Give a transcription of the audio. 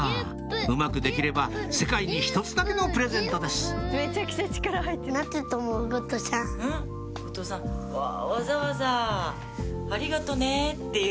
うまくできれば世界に１つだけのプレゼントですさぁ